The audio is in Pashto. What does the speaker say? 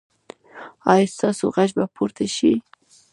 ایا ستاسو غږ به پورته شي؟